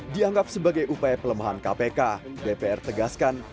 dianggap sebagai upaya pelaksanaan